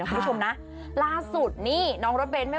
เอาแรงเป็นความสุขของคุณต่อไป